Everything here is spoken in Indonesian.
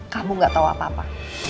kamu gak tahu apa apa